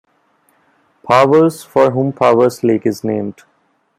Powers, for whom Powers Lake is named.